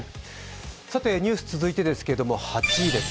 ニュース、続いてですけど８位です。